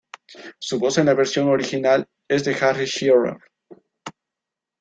Su voz en la versión original es de Harry Shearer.